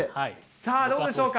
さあ、どうでしょうか。